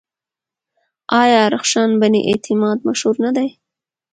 آیا رخشان بني اعتماد مشهوره نه ده؟